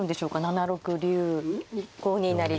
７六竜５二成桂。